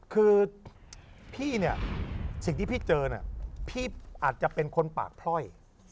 คือพี่เนี่ยสิ่งที่พี่เจอเนี่ยพี่อาจจะเป็นคนปากพล่อย